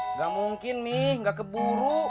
nggak mungkin nih nggak keburu